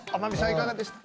いかがでした？